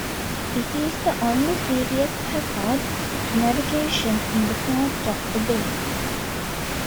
It is the only serious hazard to navigation in that part of the Bay.